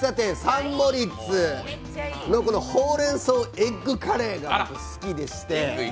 サンモリッツのほうれん草エッグカレーが好きでして。